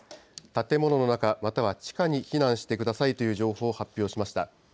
建物の中、または地下に避難してくださいという情報を発表しました。